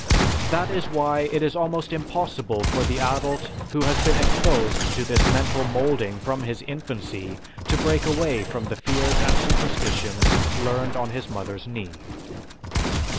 That is why it is almost impossible for the adult who has been exposed to this mental moulding from his infancy to break away from the fears and superstitions learned on his mother's knee.